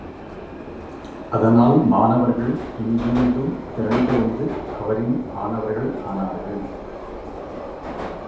அதனால், மாணவர்கள் எங்கிருத்தும் திரண்டு வந்து அவரின் மாணவர்கள் ஆனார்கள்.